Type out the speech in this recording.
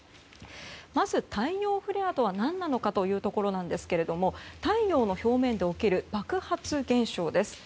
まず太陽フレアとは何なのかというところですが太陽の表面で起きる爆発現象です。